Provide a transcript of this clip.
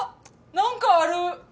何かある。